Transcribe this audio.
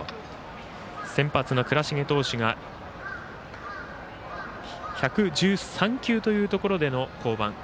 先発の倉重投手が１１３球というところでの降板。